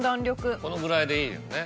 このぐらいでいいよね。